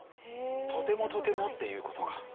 「とてもとても」っていう事か。